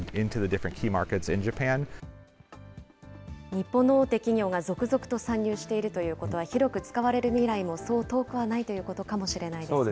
日本の大手企業が続々と参入しているということは、広く使われる未来もそう遠くはないということかもしれないですね。